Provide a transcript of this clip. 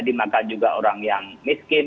dimakan juga orang yang miskin